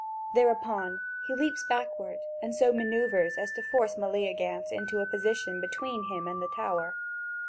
Thereupon he leaps backward and so manoeuvres as to force Meleagant into a position between him and the tower.